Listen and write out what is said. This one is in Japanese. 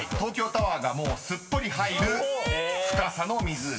タワーがもうすっぽり入る深さの湖です］